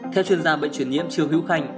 theo chuyên gia bệnh chuyển nhiễm trương hữu khanh